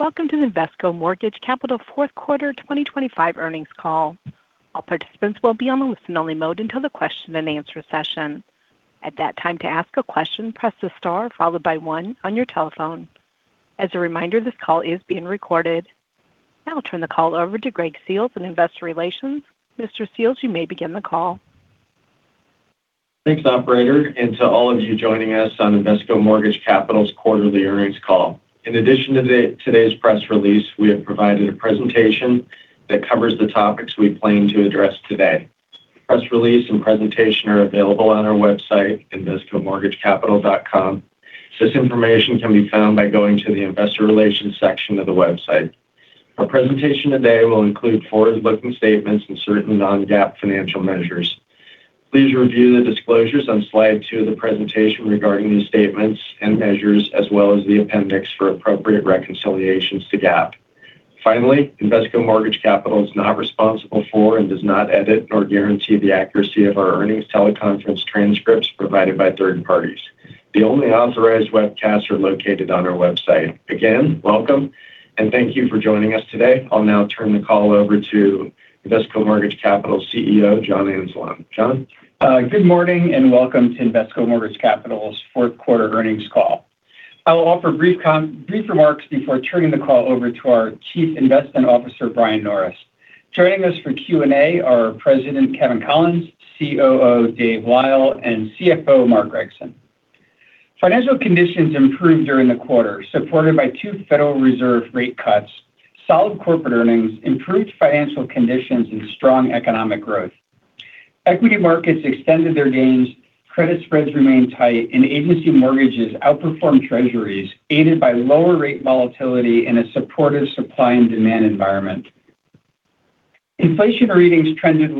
Welcome to the Invesco Mortgage Capital fourth quarter 2025 earnings call. All participants will be on the listen-only mode until the question and answer session. At that time, to ask a question, press the star followed by one on your telephone. As a reminder, this call is being recorded. Now I'll turn the call over to Greg Seals in Investor Relations. Mr. Seals, you may begin the call. Thanks, operator, and to all of you joining us on Invesco Mortgage Capital's quarterly earnings call. In addition to today's press release, we have provided a presentation that covers the topics we plan to address today. Press release and presentation are available on our website, investcomortgagecapital.com. This information can be found by going to the Investor Relations section of the website. Our presentation today will include forward-looking statements and certain non-GAAP financial measures. Please review the disclosures on slide two of the presentation regarding these statements and measures, as well as the appendix for appropriate reconciliations to GAAP. Finally, Invesco Mortgage Capital is not responsible for and does not edit or guarantee the accuracy of our earnings teleconference transcripts provided by third parties. The only authorized webcasts are located on our website. Again, welcome, and thank you for joining us today. I'll now turn the call over to Invesco Mortgage Capital CEO, John Anzalone. John? Good morning, and welcome to Invesco Mortgage Capital's fourth quarter earnings call. I will offer brief remarks before turning the call over to our Chief Investment Officer, Brian Norris. Joining us for Q&A are President Kevin Collins, COO Dave Lyle, and CFO Mark Gregson. Financial conditions improved during the quarter, supported by two Federal Reserve rate cuts, solid corporate earnings, improved financial conditions, and strong economic growth. Equity markets extended their gains, credit spreads remained tight, and Agency mortgages outperformed Treasuries, aided by lower rate volatility and a supportive supply and demand environment. Inflation readings trended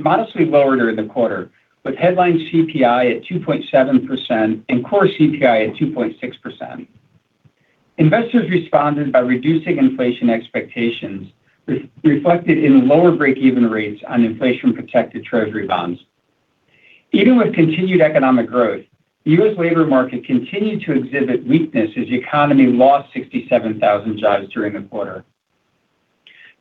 modestly lower during the quarter, with headline CPI at 2.7% and core CPI at 2.6%. Investors responded by reducing inflation expectations, reflected in lower break-even rates on inflation-protected Treasury bonds. Even with continued economic growth, the U.S. labor market continued to exhibit weakness as the economy lost 67,000 jobs during the quarter.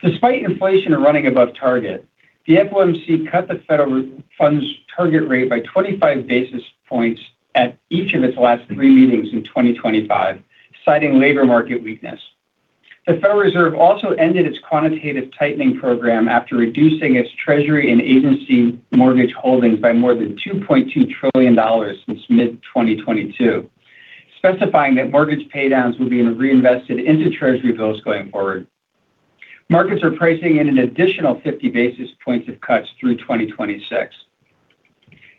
Despite inflation running above target, the FOMC cut the federal funds target rate by 25 basis points at each of its last three meetings in 2025, citing labor market weakness. The Federal Reserve also ended its quantitative tightening program after reducing its Treasury and Agency mortgage holdings by more than $2.2 trillion since mid-2022, specifying that mortgage paydowns will be reinvested into Treasury bills going forward. Markets are pricing in an additional 50 basis points of cuts through 2026.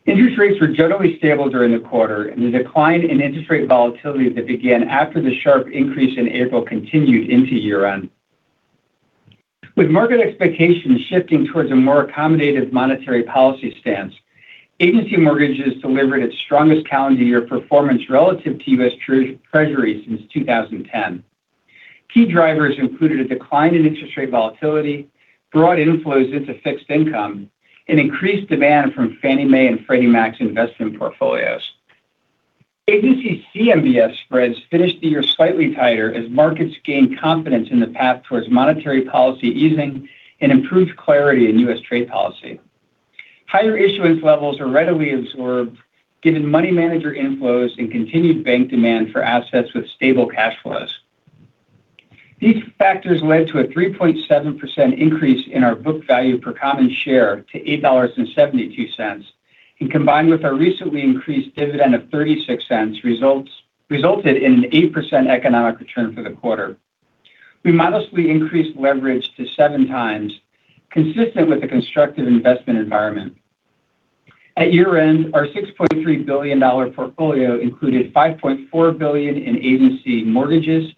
Interest rates were generally stable during the quarter, and the decline in interest rate volatility that began after the sharp increase in April continued into year-end. With market expectations shifting towards a more accommodative monetary policy stance, Agency mortgages delivered its strongest calendar year performance relative to U.S. Treasuries since 2010. Key drivers included a decline in interest rate volatility, broad inflows into fixed income, and increased demand from Fannie Mae and Freddie Mac's investment portfolios. Agency CMBS spreads finished the year slightly tighter as markets gained confidence in the path towards monetary policy easing and improved clarity in U.S. trade policy. Higher issuance levels were readily absorbed, given money manager inflows and continued bank demand for assets with stable cash flows. These factors led to a 3.7% increase in our book value per common share to $8.72, and combined with our recently increased dividend of $0.36, resulted in an 8% economic return for the quarter. We modestly increased leverage to 7 times, consistent with the constructive investment environment. At year-end, our $6.3 billion portfolio included $5.4 billion in Agency mortgages,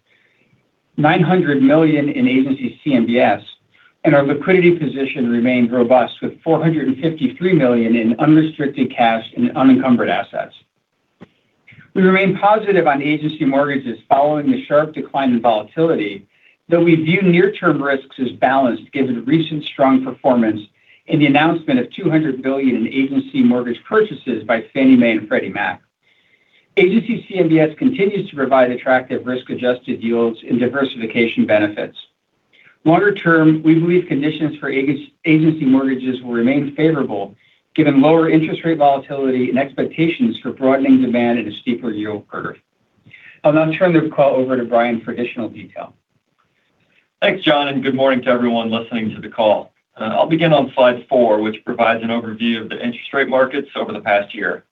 $900 million in Agency CMBS, and our liquidity position remained robust, with $453 million in unrestricted cash and unencumbered assets. We remain positive on Agency mortgages following the sharp decline in volatility, though we view near-term risks as balanced, given recent strong performance and the announcement of $200 billion in Agency mortgage purchases by Fannie Mae and Freddie Mac. Agency CMBS continues to provide attractive risk-adjusted yields and diversification benefits. Longer term, we believe conditions for Agency mortgages will remain favorable, given lower interest rate volatility and expectations for broadening demand and a steeper yield curve. I'll now turn the call over to Brian for additional detail. Thanks, John, and good morning to everyone listening to the call. I'll begin on slide four, which provides an overview of the interest rate markets over the past year.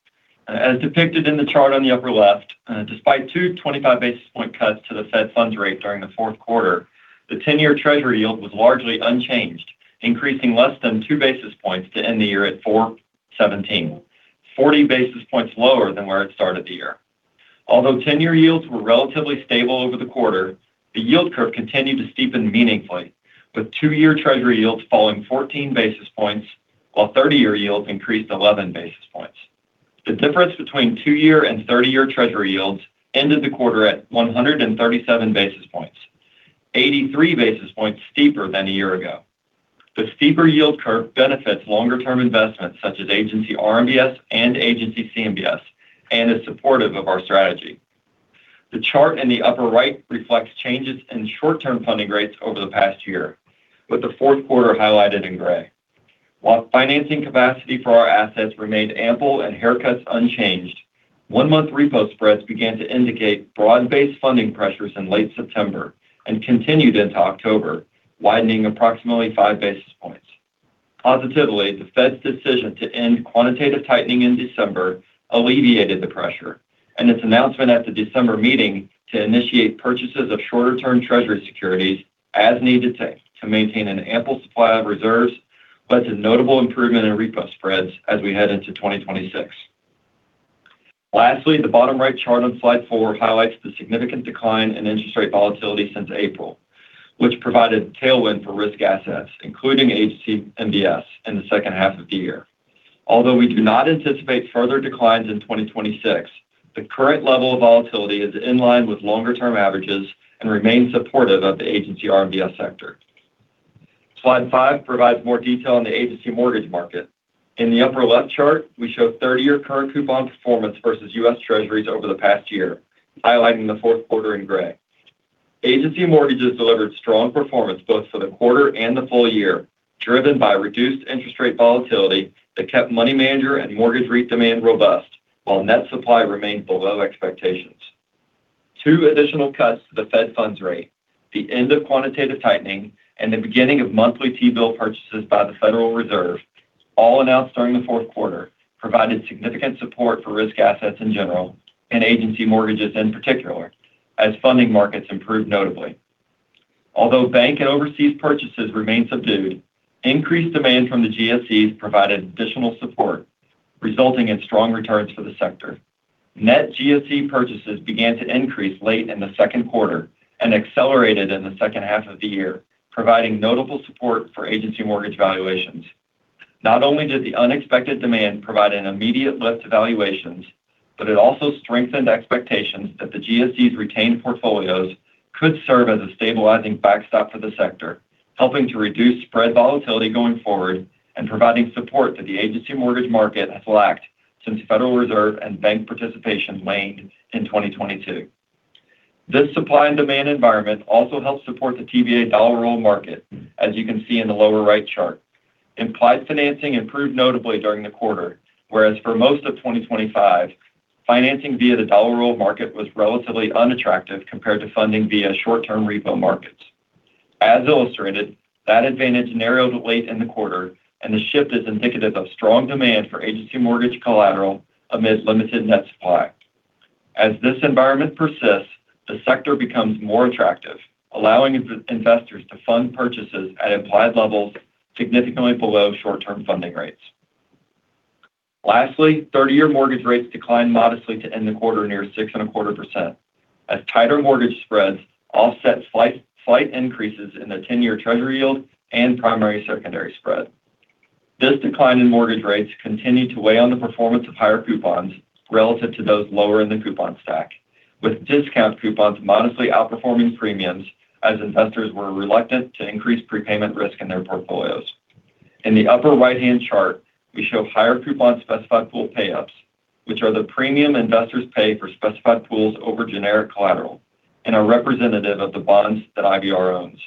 As depicted in the chart on the upper left, despite two 25 basis point cuts to the Fed funds rate during the fourth quarter, the 10-year Treasury yield was largely unchanged, increasing less than two basis points to end the year at 4.17, 40 basis points lower than where it started the year. Although 10-year yields were relatively stable over the quarter, the yield curve continued to steepen meaningfully, with 2-year Treasury yields falling 14 basis points, while 30-year yields increased 11 basis points. The difference between 2-year and 30-year Treasury yields ended the quarter at 137 basis points, 83 basis points steeper than a year ago... The steeper yield curve benefits longer term investments such as Agency RMBS and Agency CMBS, and is supportive of our strategy. The chart in the upper right reflects changes in short-term funding rates over the past year, with the fourth quarter highlighted in gray. While financing capacity for our assets remained ample and haircuts unchanged, one-month repo spreads began to indicate broad-based funding pressures in late September and continued into October, widening approximately five basis points. Positively, the Fed's decision to end quantitative tightening in December alleviated the pressure, and its announcement at the December meeting to initiate purchases of shorter-term Treasury securities as needed to maintain an ample supply of reserves, led to notable improvement in repo spreads as we head into 2026. Lastly, the bottom right chart on slide 4 highlights the significant decline in interest rate volatility since April, which provided tailwind for risk assets, including Agency MBS, in the second half of the year. Although we do not anticipate further declines in 2026, the current level of volatility is in line with longer-term averages and remains supportive of the Agency RMBS sector. Slide 5 provides more detail on the Agency mortgage market. In the upper left chart, we show 30-year current coupon performance versus U.S. Treasuries over the past year, highlighting the fourth quarter in gray. Agency mortgages delivered strong performance both for the quarter and the full year, driven by reduced interest rate volatility that kept money manager and mortgage rate demand robust, while net supply remained below expectations. Two additional cuts to the Fed funds rate, the end of quantitative tightening, and the beginning of monthly T-bill purchases by the Federal Reserve, all announced during the fourth quarter, provided significant support for risk assets in general and Agency mortgages in particular, as funding markets improved notably. Although bank and overseas purchases remained subdued, increased demand from the GSEs provided additional support, resulting in strong returns for the sector. Net GSE purchases began to increase late in the second quarter and accelerated in the second half of the year, providing notable support for Agency mortgage valuations. Not only did the unexpected demand provide an immediate lift to valuations, but it also strengthened expectations that the GSE's retained portfolios could serve as a stabilizing backstop for the sector, helping to reduce spread volatility going forward and providing support to the Agency mortgage market has lacked since Federal Reserve and bank participation waned in 2022. This supply and demand environment also helped support the TBA dollar roll market, as you can see in the lower right chart. Implied financing improved notably during the quarter, whereas for most of 2025, financing via the dollar roll market was relatively unattractive compared to funding via short-term repo markets. As illustrated, that advantage narrowed late in the quarter, and the shift is indicative of strong demand for Agency mortgage collateral amid limited net supply. As this environment persists, the sector becomes more attractive, allowing institutional investors to fund purchases at implied levels significantly below short-term funding rates. Lastly, 30-year mortgage rates declined modestly to end the quarter near 6.25%, as tighter mortgage spreads offset slight increases in the 10-year Treasury yield and primary-secondary spread. This decline in mortgage rates continued to weigh on the performance of higher coupons relative to those lower in the coupon stack, with discount coupons modestly outperforming premiums as investors were reluctant to increase prepayment risk in their portfolios. In the upper right-hand chart, we show higher coupon specified pool payups, which are the premium investors pay for specified pools over generic collateral and are representative of the bonds that IVR owns.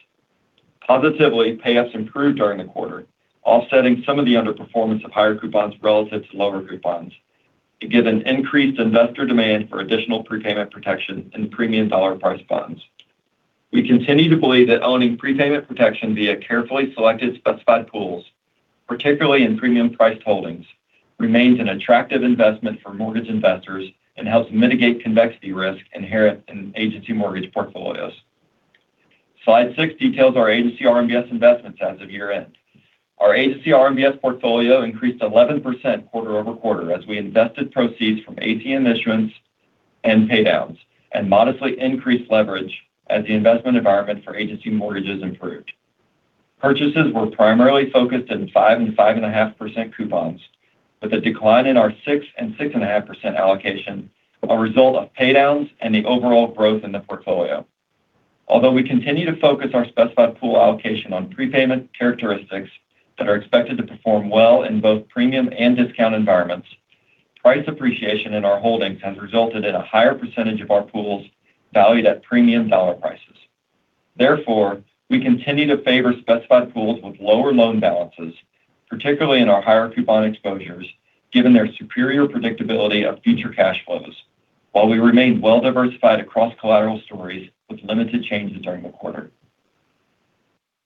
Positively, payups improved during the quarter, offsetting some of the underperformance of higher coupons relative to lower coupons, to give an increased investor demand for additional prepayment protection in premium dollar price bonds. We continue to believe that owning prepayment protection via carefully selected specified pools, particularly in premium priced holdings, remains an attractive investment for mortgage investors and helps mitigate convexity risk inherent in Agency mortgage portfolios. Slide 6 details our Agency RMBS investments as of year-end. Our Agency RMBS portfolio increased 11% quarter over quarter as we invested proceeds from ATM issuance and pay downs, and modestly increased leverage as the investment environment for Agency mortgages improved. Purchases were primarily focused in 5% and 5.5% coupons, with a decline in our 6% and 6.5% allocation, a result of pay downs and the overall growth in the portfolio. Although we continue to focus our specified pool allocation on prepayment characteristics that are expected to perform well in both premium and discount environments, price appreciation in our holdings has resulted in a higher percentage of our pools valued at premium dollar prices. Therefore, we continue to favor specified pools with lower loan balances, particularly in our higher coupon exposures, given their superior predictability of future cash flows. While we remain well-diversified across collateral stories with limited changes during the quarter.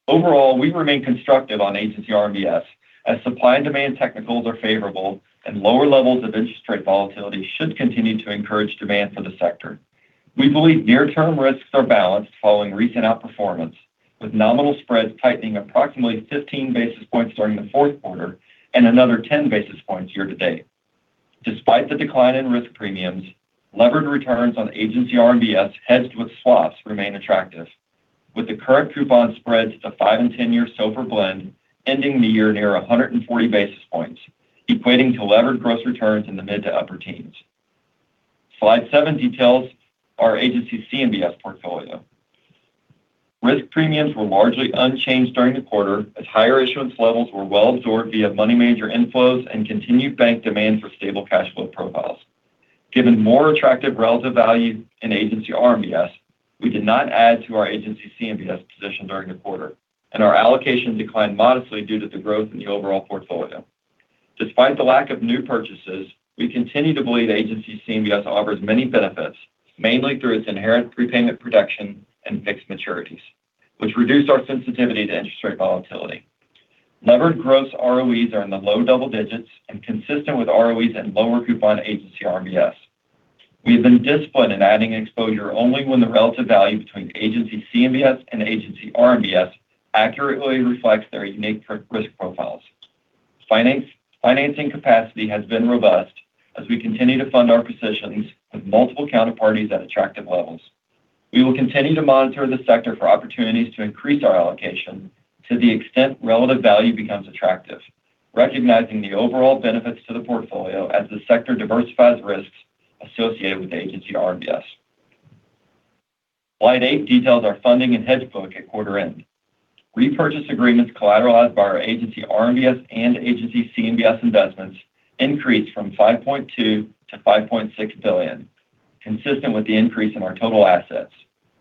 Overall, we remain constructive on Agency RMBS as supply and demand technicals are favorable and lower levels of interest rate volatility should continue to encourage demand for the sector. We believe near-term risks are balanced following recent outperformance, with nominal spreads tightening approximately 15 basis points during the fourth quarter and another 10 basis points year to date. Despite the decline in risk premiums, levered returns on Agency RMBS hedged with swaps remain attractive, with the current coupon spreads to 5 and 10 year SOFR blend ending the year near 140 basis points, equating to levered gross returns in the mid- to upper teens. Slide 7 details our Agency CMBS portfolio. Risk premiums were largely unchanged during the quarter, as higher issuance levels were well absorbed via money manager inflows and continued bank demand for stable cash flow profiles. Given more attractive relative value in Agency RMBS, we did not add to our Agency CMBS position during the quarter, and our allocation declined modestly due to the growth in the overall portfolio. Despite the lack of new purchases, we continue to believe Agency CMBS offers many benefits, mainly through its inherent prepayment protection and fixed maturities, which reduce our sensitivity to interest rate volatility. Levered gross ROEs are in the low double digits and consistent with ROEs and lower coupon Agency RMBS. We have been disciplined in adding exposure only when the relative value between Agency CMBS and Agency RMBS accurately reflects their unique risk profiles. Financing capacity has been robust as we continue to fund our positions with multiple counterparties at attractive levels. We will continue to monitor the sector for opportunities to increase our allocation to the extent relative value becomes attractive, recognizing the overall benefits to the portfolio as the sector diversifies risks associated with Agency RMBS. Slide 8 details our funding and hedge book at quarter end. Repurchase agreements collateralized by our Agency RMBS and Agency CMBS investments increased from $5.2 billion to $5.6 billion, consistent with the increase in our total assets,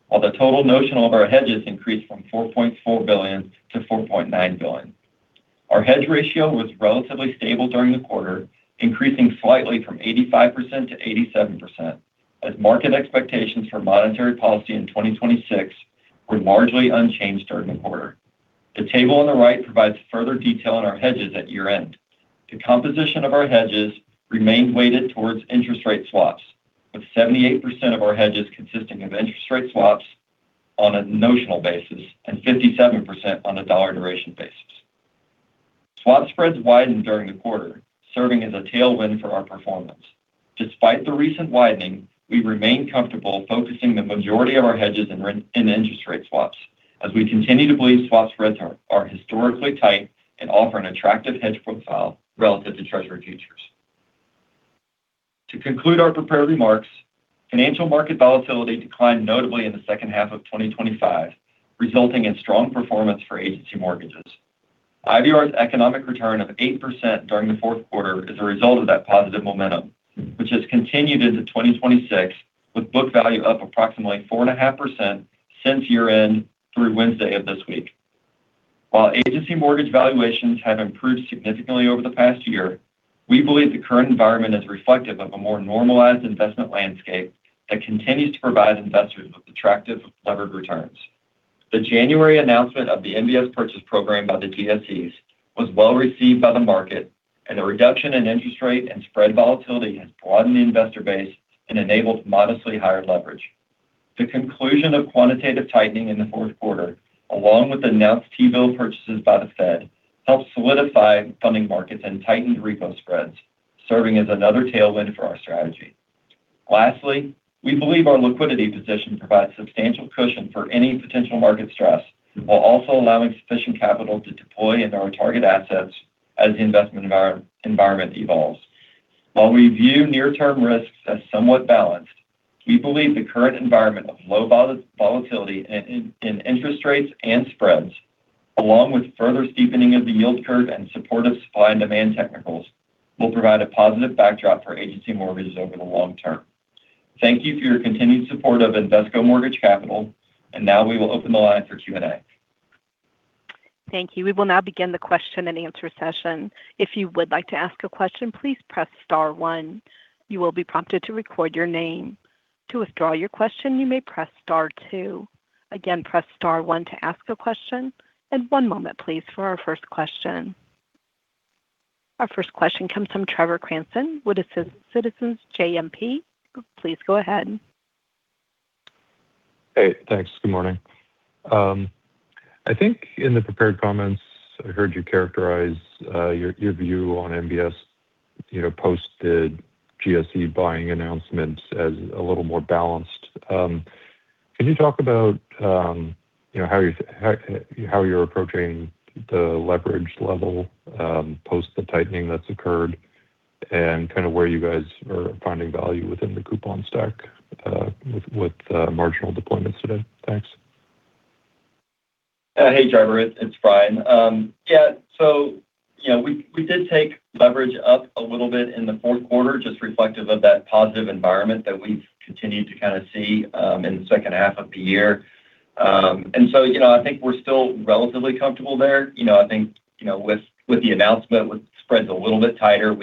while the total notional of our hedges increased from $4.4 billion to $4.9 billion. Our hedge ratio was relatively stable during the quarter, increasing slightly from 85% to 87%, as market expectations for monetary policy in 2026 were largely unchanged during the quarter. The table on the right provides further detail on our hedges at year-end. The composition of our hedges remained weighted towards interest rate swaps, with 78% of our hedges consisting of interest rate swaps on a notional basis and 57% on a dollar duration basis. Swap spreads widened during the quarter, serving as a tailwind for our performance. Despite the recent widening, we remain comfortable focusing the majority of our hedges in interest rate swaps, as we continue to believe swap spreads are historically tight and offer an attractive hedge profile relative to Treasury futures. To conclude our prepared remarks, financial market volatility declined notably in the second half of 2025, resulting in strong performance for Agency mortgages. IVR's economic return of 8% during the fourth quarter is a result of that positive momentum, which has continued into 2026, with book value up approximately 4.5% since year-end through Wednesday of this week. While Agency mortgage valuations have improved significantly over the past year, we believe the current environment is reflective of a more normalized investment landscape that continues to provide investors with attractive levered returns. The January announcement of the MBS purchase program by the GSEs was well-received by the market, and the reduction in interest rate and spread volatility has broadened the investor base and enabled modestly higher leverage. The conclusion of quantitative tightening in the fourth quarter, along with announced T-bill purchases by the Fed, helped solidify funding markets and tightened repo spreads, serving as another tailwind for our strategy. Lastly, we believe our liquidity position provides substantial cushion for any potential market stress, while also allowing sufficient capital to deploy into our target assets as the investment environment evolves. While we view near-term risks as somewhat balanced, we believe the current environment of low volatility in interest rates and spreads, along with further steepening of the yield curve and supportive supply and demand technicals, will provide a positive backdrop for Agency mortgages over the long term. Thank you for your continued support of Invesco Mortgage Capital, and now we will open the line for Q&A. Thank you. We will now begin the question and answer session. If you would like to ask a question, please press star one. You will be prompted to record your name. To withdraw your question, you may press star two. Again, press star one to ask a question, and one moment, please, for our first question. Our first question comes from Trevor Cranston with Citizens JMP. Please go ahead. Hey, thanks. Good morning. I think in the prepared comments, I heard you characterize your view on MBS, you know, post the GSE buying announcements as a little more balanced. Can you talk about, you know, how you're approaching the leverage level post the tightening that's occurred and kind of where you guys are finding value within the coupon stack with marginal deployments today? Thanks. Hey, Trevor, it's Brian. Yeah, so, you know, we did take leverage up a little bit in the fourth quarter, just reflective of that positive environment that we've continued to kind of see in the second half of the year. And so, you know, I think we're still relatively comfortable there. You know, I think, you know, with the announcement, with spreads a little bit tighter,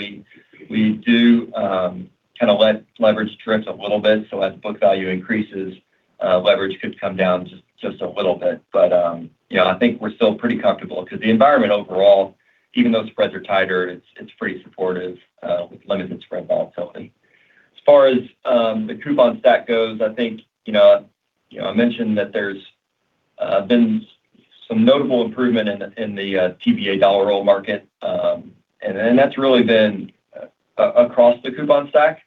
we do kind of let leverage drift a little bit. So as book value increases, leverage could come down just a little bit. But, you know, I think we're still pretty comfortable because the environment overall, even though spreads are tighter, it's pretty supportive with limited spread volatility. As far as the coupon stack goes, I think, you know, I mentioned that there's been some notable improvement in the TBA dollar roll market. And that's really been across the coupon stack,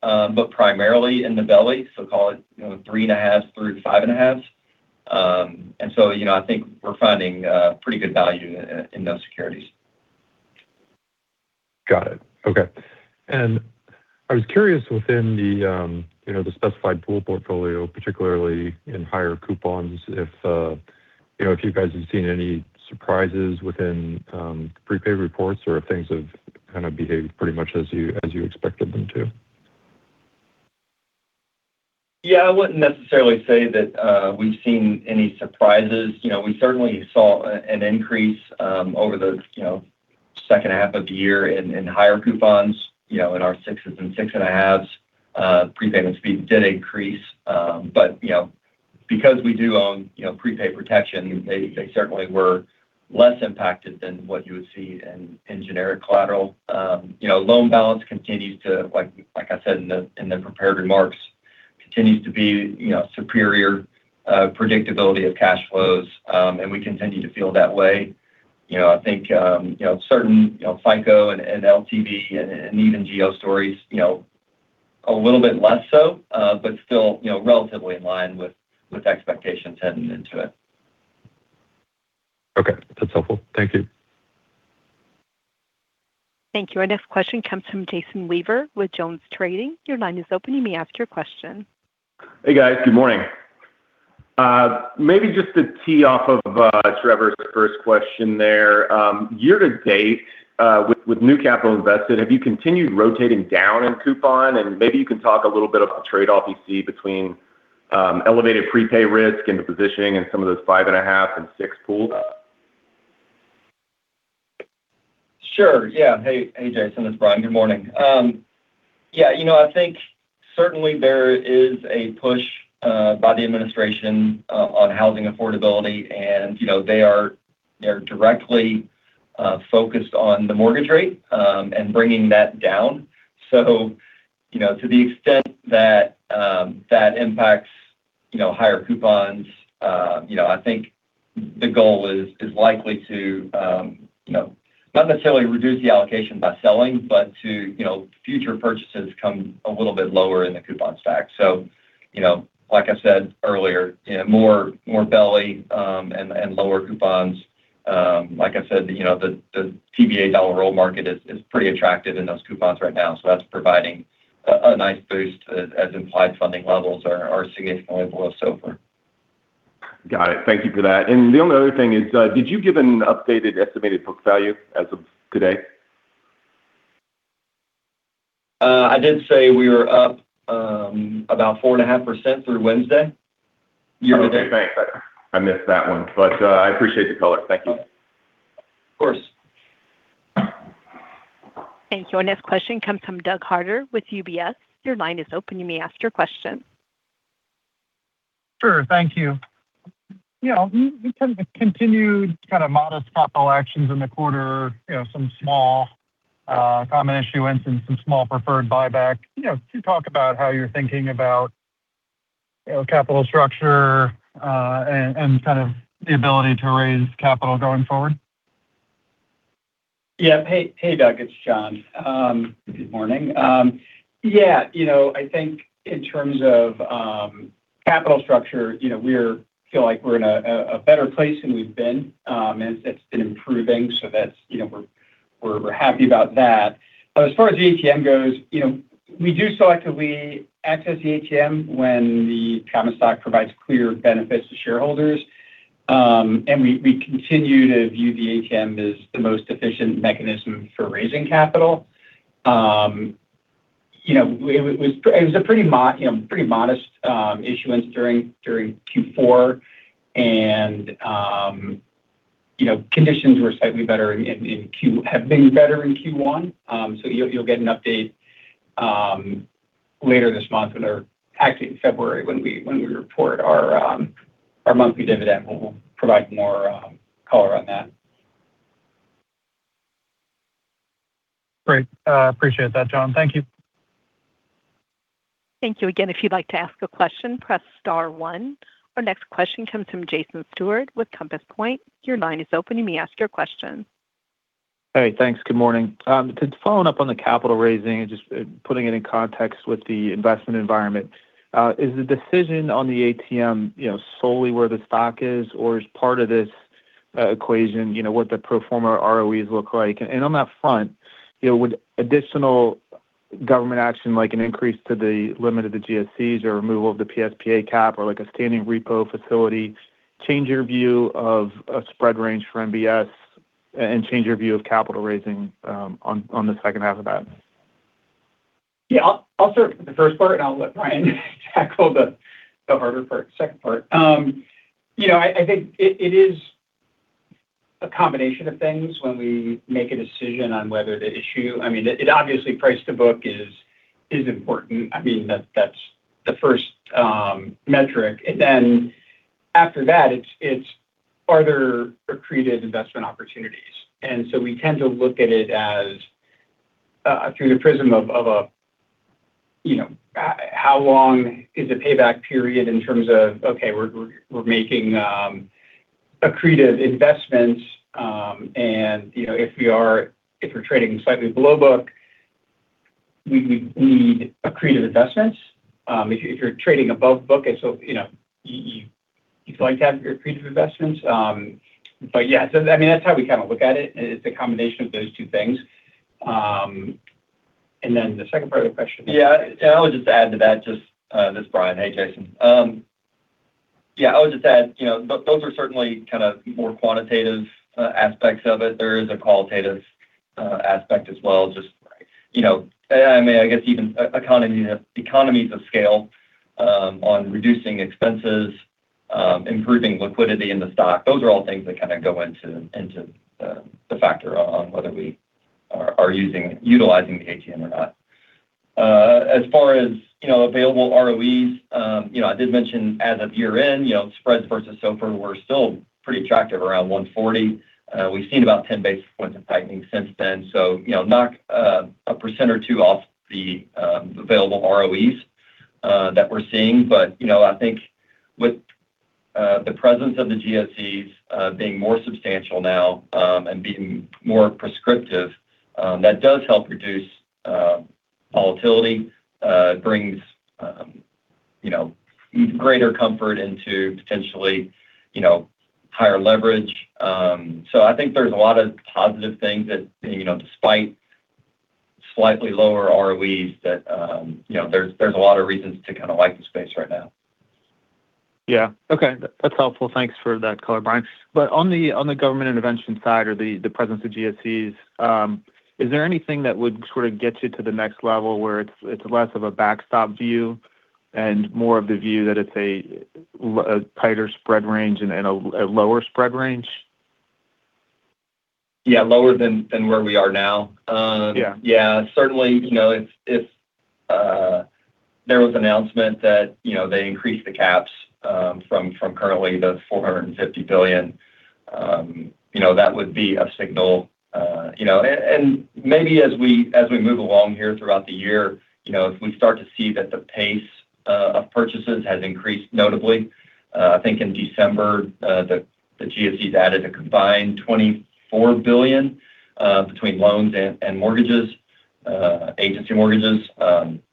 but primarily in the belly, so call it, you know, 3.5 to 5.5. And so, you know, I think we're finding pretty good value in those securities.... Got it. Okay. And I was curious, within the, you know, the specified pool portfolio, particularly in higher coupons, if, you know, if you guys have seen any surprises within, prepay reports or if things have kind of behaved pretty much as you, as you expected them to? Yeah, I wouldn't necessarily say that we've seen any surprises. You know, we certainly saw an increase over the second half of the year in higher coupons. You know, in our sixes and six-and-a-halves, prepayment speeds did increase. But, you know, because we do own, you know, prepayment protection, they certainly were less impacted than what you would see in generic collateral. You know, loan balance continues to, like I said in the prepared remarks, continues to be, you know, superior predictability of cash flows, and we continue to feel that way. You know, I think, you know, certain FICO and LTV and even geo stories, you know, a little bit less so, but still, you know, relatively in line with expectations heading into it. Okay. That's helpful. Thank you. Thank you. Our next question comes from Jason Weaver with JonesTrading. Your line is open. You may ask your question. Hey, guys. Good morning. Maybe just to tee off of Trevor's first question there, year to date, with new capital invested, have you continued rotating down in coupon? And maybe you can talk a little bit about the trade-off you see between elevated prepay risk and the positioning in some of those 5.5 and 6 pools? Sure. Yeah. Hey, hey, Jason, it's Brian. Good morning. Yeah, you know, I think certainly there is a push by the administration on housing affordability and, you know, they're directly focused on the mortgage rate and bringing that down. So, you know, to the extent that that impacts, you know, higher coupons, you know, I think the goal is likely to, you know, not necessarily reduce the allocation by selling, but to, you know, future purchases come a little bit lower in the coupon stack. So, you know, like I said earlier, you know, more belly and lower coupons. Like I said, you know, the TBA dollar roll market is pretty attractive in those coupons right now, so that's providing a nice boost as implied funding levels are significantly below so far. Got it. Thank you for that. The only other thing is, did you give an updated estimated book value as of today? I did say we were up about 4.5% through Wednesday, year to date. Okay, thanks. I missed that one, but I appreciate the color. Thank you. Of course. Thank you. Our next question comes from Doug Harter with UBS. Your line is open. You may ask your question. Sure. Thank you. You know, in terms of continued kind of modest capital actions in the quarter, you know, some small, common issuance and some small preferred buyback, you know, can you talk about how you're thinking about, you know, capital structure, and kind of the ability to raise capital going forward? Yeah. Hey, hey, Doug, it's John. Good morning. Yeah, you know, I think in terms of capital structure, you know, we're feel like we're in a better place than we've been. And it's been improving, so that's, you know, we're, we're happy about that. But as far as the ATM goes, you know, we do selectively access the ATM when the common stock provides clear benefits to shareholders. And we, we continue to view the ATM as the most efficient mechanism for raising capital. You know, it was a pretty modest issuance during Q4. And, you know, conditions were slightly better in Q1. So you'll get an update later this month when our... Actually, in February, when we, when we report our, our monthly dividend, we'll, we'll provide more, color on that. Great. Appreciate that, John. Thank you. Thank you again. If you'd like to ask a question, press star one. Our next question comes from Jason Stewart with Compass Point. Your line is open. You may ask your question. Hey, thanks. Good morning. To follow up on the capital raising and just putting it in context with the investment environment, is the decision on the ATM, you know, solely where the stock is, or is part of this equation, you know, what the pro forma ROEs look like? And on that front, you know, would additional government action, like an increase to the limit of the GSEs or removal of the PSPA cap or like a standing repo facility, change your view of a spread range for MBS and change your view of capital raising on the second half of that? Yeah, I'll start with the first part, and I'll let Brian tackle the harder part, second part. You know, I think it is a combination of things when we make a decision on whether to issue. I mean, obviously, price to book is important. I mean, that's the first metric. And then after that, it's are there accretive investment opportunities? And so we tend to look at it as through the prism of you know, how long is the payback period in terms of, okay, we're making accretive investments, and you know, if we're trading slightly below book, we need accretive investments. If you're trading above book, and so, you know, you'd like to have your accretive investments. But yeah, so I mean, that's how we kind of look at it. It's a combination of those two things. And then the second part of the question? Yeah, yeah, I would just add to that just, this is Brian. Hey, Jason. Yeah, I would just add, you know, those are certainly kind of more quantitative aspects of it. There is a qualitative aspect as well, just, you know, I mean, I guess even economies of scale on reducing expenses, improving liquidity in the stock. Those are all things that kind of go into the factor on whether we are utilizing the ATM or not. As far as, you know, available ROEs, you know, I did mention as of year-end, you know, spreads versus SOFR were still pretty attractive, around 140. We've seen about 10 basis points of tightening since then. So, you know, knock 1% to 2% off the available ROEs that we're seeing. But, you know, I think with the presence of the GSEs being more substantial now, and being more prescriptive, that does help reduce volatility, brings you know, greater comfort into potentially, you know, higher leverage. So I think there's a lot of positive things that, you know, despite slightly lower ROEs, that you know, there's a lot of reasons to kind of like the space right now. Yeah. Okay. That's helpful. Thanks for that color, Brian. But on the government intervention side or the presence of GSEs, is there anything that would sort of get you to the next level where it's less of a backstop view and more of the view that it's a tighter spread range and a lower spread range? Yeah, lower than, than where we are now? Um, yeah. Yeah, certainly, you know, if there was announcement that, you know, they increased the caps from currently the $450 billion, you know, that would be a signal. You know, and maybe as we move along here throughout the year, you know, if we start to see that the pace of purchases has increased notably. I think in December, the GSEs added a combined $24 billion between loans and mortgages, Agency mortgages.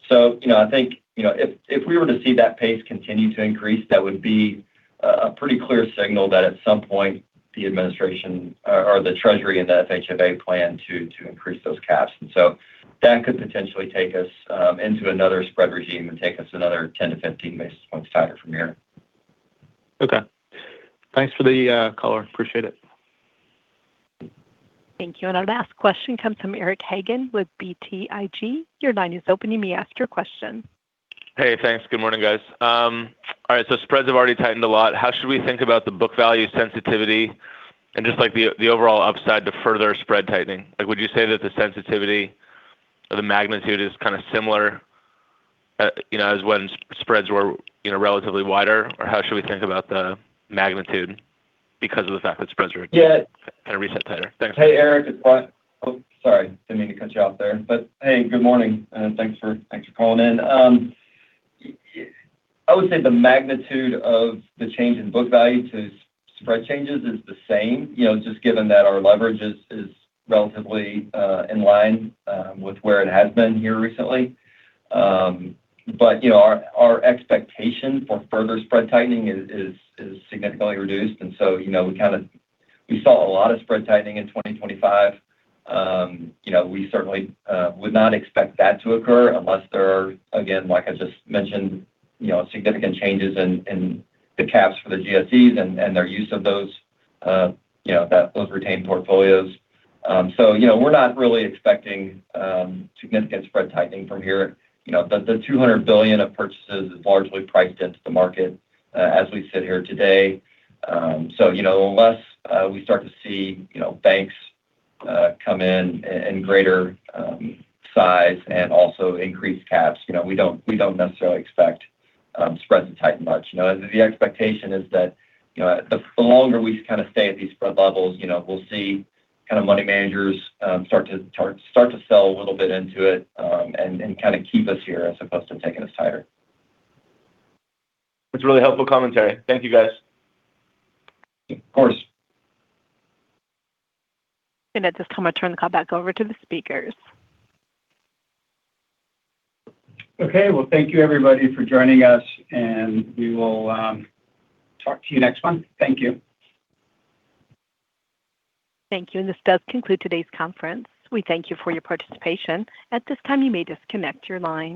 So, you know, I think, you know, if we were to see that pace continue to increase, that would be a pretty clear signal that at some point, the administration or the Treasury and the FHFA plan to increase those caps. That could potentially take us into another spread regime and take us another 10 to 15 basis points tighter from here. Okay. Thanks for the color. Appreciate it. Thank you. And our last question comes from Eric Hagen with BTIG. Your line is open. You may ask your question. Hey, thanks. Good morning, guys. All right, so spreads have already tightened a lot. How should we think about the book value sensitivity and just, like, the overall upside to further spread tightening? Like, would you say that the sensitivity or the magnitude is kind of similar, you know, as when spreads were, you know, relatively wider? Or how should we think about the magnitude because of the fact that spreads are- Yeah kind of recent tighter? Thanks. Hey, Eric, it's Brian. Oh, sorry, didn't mean to cut you off there. But hey, good morning, and thanks for- thanks for calling in. I would say the magnitude of the change in book value to spread changes is the same, you know, just given that our leverage is relatively in line with where it has been here recently. But you know, our expectation for further spread tightening is significantly reduced, and so, you know, we kind of saw a lot of spread tightening in 2025. You know, we certainly would not expect that to occur unless there are, again, like I just mentioned, you know, significant changes in the caps for the GSEs and their use of those, you know, those retained portfolios. So, you know, we're not really expecting significant spread tightening from here. You know, the $200 billion of purchases is largely priced into the market, as we sit here today. So, you know, unless we start to see, you know, banks come in in greater size and also increased caps, you know, we don't necessarily expect spreads to tighten much. You know, the expectation is that, you know, the longer we kind of stay at these spread levels, you know, we'll see kind of money managers start to sell a little bit into it, and kind of keep us here as opposed to taking us higher. It's really helpful commentary. Thank you, guys. Of course. At this time, I turn the call back over to the speakers. Okay. Well, thank you, everybody, for joining us, and we will talk to you next month. Thank you. Thank you, and this does conclude today's conference. We thank you for your participation. At this time, you may disconnect your lines.